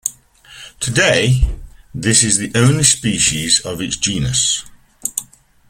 Today, this is the only species of its genus.